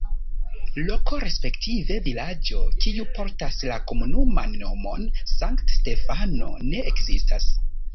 Loko respektive vilaĝo, kiu portas la komunuman nomon Sankt-Stefano, ne ekzistas.